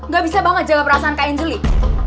gak bisa banget jaga perasaan kak angelie